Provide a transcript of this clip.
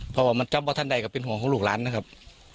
เพราะว่ามันจำว่าท่านใดก็เป็นห่วงของลูกล้านนะครับ